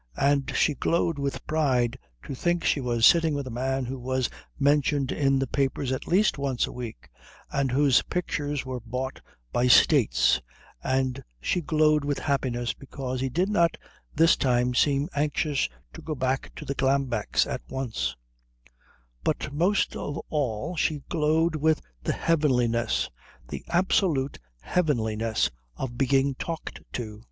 And she glowed with pride to think she was sitting with a man who was mentioned in the papers at least once a week and whose pictures were bought by States, and she glowed with happiness because he did not this time seem anxious to go back to the Glambecks' at once; but most of all she glowed with the heavenliness, the absolute heavenliness of being talked to.